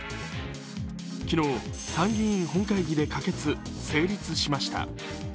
昨日、参議院本会議で可決・成立しました。